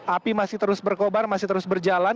api masih terus berkobar masih terus berjalan